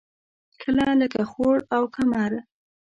کله لکه خوړ او کمر.